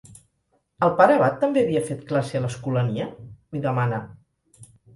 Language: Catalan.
El pare abat també havia fet classe a l'Escolania? —li demana.